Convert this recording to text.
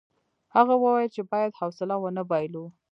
هغه وویل چې باید حوصله ونه بایلو.